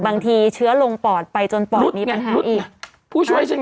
บางทีเชื้อลงปอดไปจนปอดมีปัญหาอีก